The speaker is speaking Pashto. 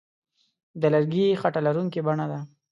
د لرګي خټه لرونکې بڼه ده.